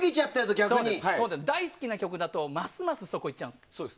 大好きな曲だと、ますますそこに行っちゃうんです。